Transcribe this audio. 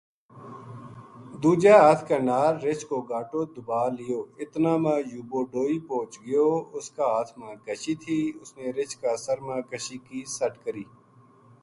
دوجا ہتھ کے نال رچھ کو گاٹو دُبا لیو اتنا ما یوبو ڈوئی پوہچ گیو اُس کا ہتھ ما کشی تھی اس نے رچھ کا سر ما کشی کی سَٹ کری